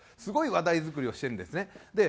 すごい話題作りをしてるんですね。